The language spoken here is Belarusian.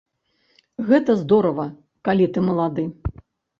Гэта здорава, калі ты малады.